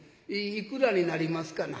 いくらになりますかな？」。